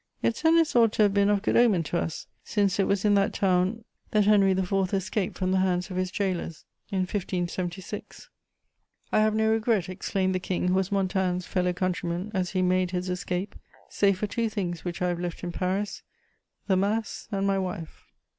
Yet Senlis ought to have been of good omen to us, since it was in that town that Henry IV. escaped from the hands of his gaolers in 1576: "I have no regret," exclaimed the King who was Montaigne's fellow countryman, as he made his escape, "save for two things which I have left in Paris: the Mass and my wife."